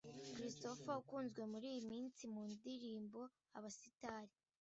Christopher ukunzwe muri iyi minsi mu ndirimbo ‘Abasitari